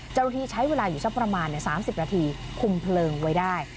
เจ้าหน้าที่ใช้เวลาอยู่สักประมาณ๓๐นาทีคุมเพลิงไว้ได้